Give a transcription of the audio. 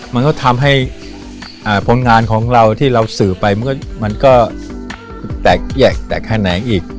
มันก็ทำให้ผลงานของเราที่เราสื่อไปมันก็แตกแยกแตกแขนงอีก